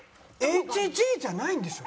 ＨＧじゃないんでしょ？